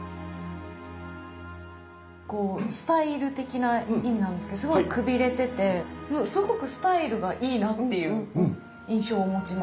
こうスタイル的な意味なんですけどすごいくびれててすごくスタイルがいいなっていう印象を持ちます。